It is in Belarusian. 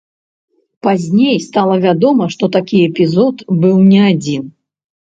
Пазней стала вядома, што такі эпізод быў не адзін.